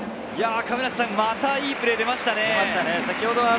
またいいプレーが出ましたね。